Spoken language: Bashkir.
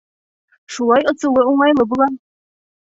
Шулай осоуы уңайлы була.